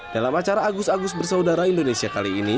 dalam acara agus agus bersaudara indonesia kali ini